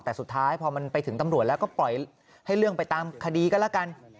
แต่สุดท้ายพอมันไปถึงตำรวจแล้วก็ปล่อยให้เรื่องไปตามคดีก็แล้วกัน